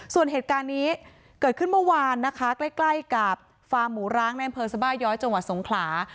ส่วนเหตุการณ์นี้เกิดขึ้นเมื่อวานนะคะใกล้ใกล้กับฟาร์มหมูร้างในอำเภอสบาย้อยจังหวัดสงขลา